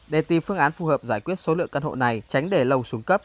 để tìm phương án phù hợp giải quyết số lượng căn hộ này tránh để lâu xuống cấp